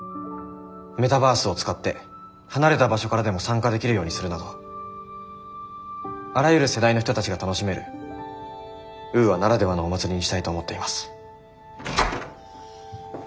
メタバースを使って離れた場所からでも参加できるようにするなどあらゆる世代の人たちが楽しめるウーアならではのお祭りにしたいと思っています。